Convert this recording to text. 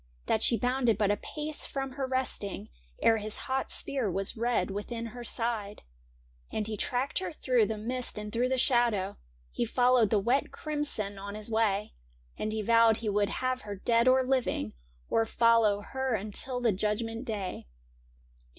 That she bounded but a pace from her resting Ere his hot spear was red within her side. THE PHANTOM DEER 17 And he tracked her through the mist and through shadow, He followed the wet crimson on his way ; And he vowed he would have her dead or living, Or follow her until the Judgment Day.